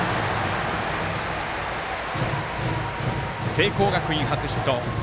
聖光学院、初ヒット。